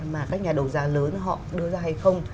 mà các nhà đầu giá lớn họ đưa ra hay không